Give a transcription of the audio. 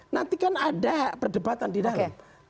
nanti kan ada perdebatan di dalam